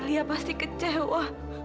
lia pasti kecewa